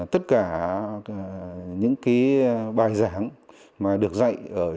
tất cả những bài giảng được dạy